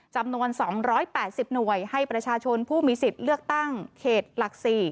จำนวน๒๘๐หน่วยให้ประชาชนผู้มีสิทธิ์เลือกตั้งเขตหลัก๔